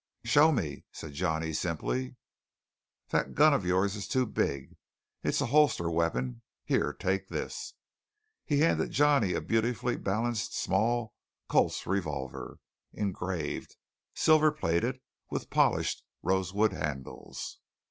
"Show me," said Johnny simply. "That gun of yours is too big; it's a holster weapon. Here, take this." He handed Johnny a beautifully balanced small Colt's revolver, engraved, silver plated, with polished rosewood handles.